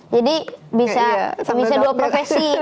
jadi bisa dua profesi